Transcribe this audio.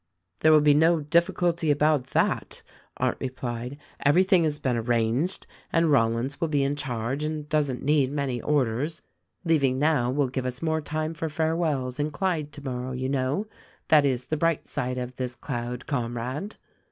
"There will be no difficulty about that," Arndt replied. "Everything has been arranged, and Rollins will be in charge and doesn't need many orders. Leaving now will give us 284 THE RECORDING ANGEL more time for farewells in Clyde tomorrow, you know. That is the bright side of this cloud, Comrade."